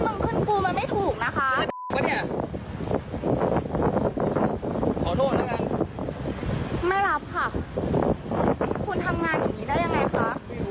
โทรขึ้นไปแล้วก็ลงมาเพราะปกติใช้โทรศัพท์๒เครื่องค่ะ